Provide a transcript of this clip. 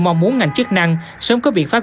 mong muốn ngành chức năng sớm có biện pháp